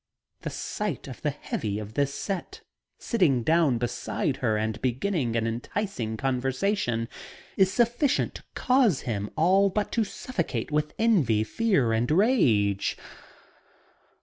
The sight of the "heavy" of this set setting down beside her and beginning an enticing conversation is sufficient to cause him to all but suffocate with envy, fear and rage.